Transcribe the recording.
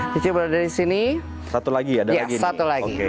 dicoba dari sini satu lagi ya satu lagi